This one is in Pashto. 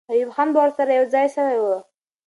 ایوب خان به ورسره یو ځای سوی وي.